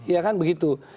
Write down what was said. ya kan begitu